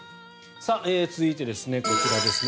続いて、こちらですね。